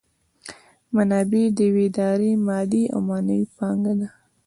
منابع د یوې ادارې مادي او معنوي پانګه ده.